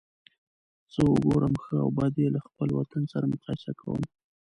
څه وګورم ښه او بد یې له خپل وطن سره مقایسه کوم.